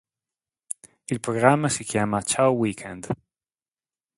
Il programma si chiama Ciao weekend.